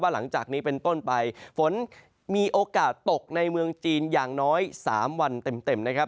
หลังจากนี้เป็นต้นไปฝนมีโอกาสตกในเมืองจีนอย่างน้อย๓วันเต็มนะครับ